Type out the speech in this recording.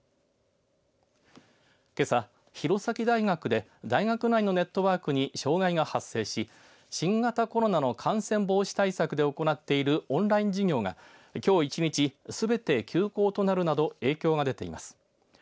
けさ、弘前大学で大学内のネットワークに障害が発生し、新型コロナの感染防止対策で行っているオンライン授業が、きょう１日すべて休校となるなど影響が出ています。